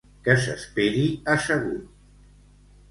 Que s'esperi assegut!